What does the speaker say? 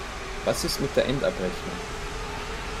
Was ist mit der Endabrechnung?